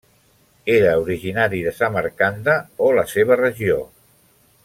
Era originari de Samarcanda o la seva regió.